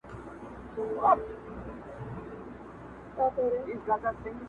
چي له بې ميني ژونده~